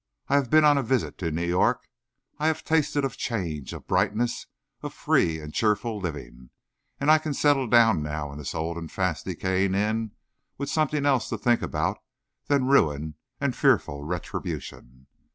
I have been on a visit to New York. I have tasted of change, of brightness, of free and cheerful living, and I can settle down now in this old and fast decaying inn with something else to think about than ruin and fearful retribution.